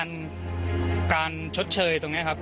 มีความรู้สึกว่าเสียใจ